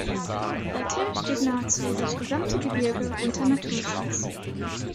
Seither steht nahezu das gesamte Gebirge unter Naturschutz.